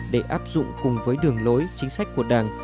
để áp dụng cùng với đường lối chính sách của đảng